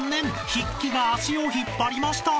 筆記が足を引っ張りました］